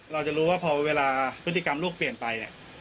เราจะรู้ว่าพอเวลาพฤติกรรมลูกเปลี่ยนไปเนี่ย